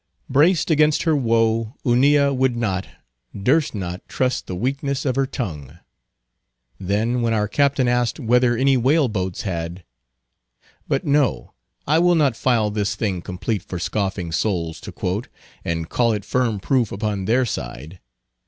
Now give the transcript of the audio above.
Braced against her woe, Hunilla would not, durst not trust the weakness of her tongue. Then when our Captain asked whether any whale boats had— But no, I will not file this thing complete for scoffing souls to quote, and call it firm proof upon their side.